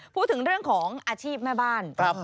พูดถึงเรื่องของอาชีพแม่บ้าน